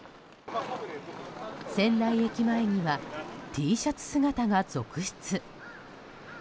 仙台駅前にはＴシャツ姿が続出。